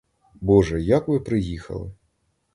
Боже, як ви приїхали?